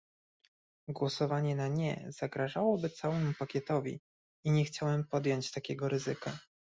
Głosowanie na "nie" zagrażałoby całemu pakietowi i nie chciałem podjąć takiego ryzyka